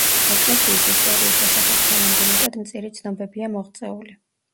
ეკლესიის ისტორიის შესახებ ჩვენამდე მეტად მწირი ცნობებია მოღწეული.